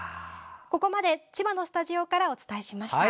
ここまで千葉のスタジオからお伝えしました。